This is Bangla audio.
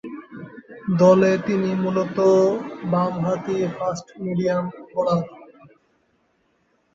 দলে তিনি মূলতঃ বামহাতি ফাস্ট-মিডিয়াম বোলার।